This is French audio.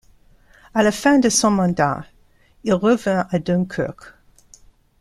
À la fin de son mandat il revint à Dunkerque.